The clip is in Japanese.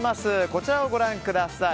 こちらをご覧ください。